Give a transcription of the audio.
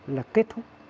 là kết thúc